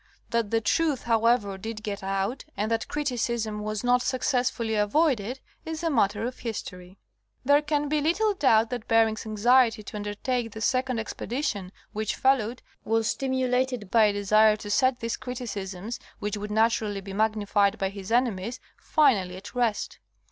That the truth, however, did get out and that criticism was not successfully avoided, is a matter of history. There can be little doubt that Bering's anxiety to undertake the second expe dition, which followed, was stimulated by a desire to set these criticisms (which would naturally be magnified by his enemies) finally at rest.